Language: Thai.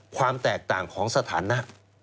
ความแตกต่างของสถานะ